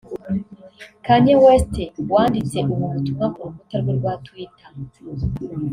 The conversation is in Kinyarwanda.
Kanye West wanditse ubu butumwa ku rukuta rwe rwa Twiiter